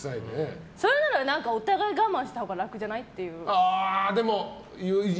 それならお互い我慢したほうが楽じゃない？っていう。